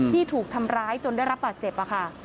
ที่ถูกทำร้ายจนได้รับบาดเจ็บค่ะ